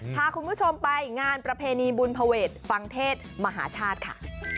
พาคุณผู้ชมไปงานประเพณีบุญภเวทฟังเทศมหาชาติค่ะ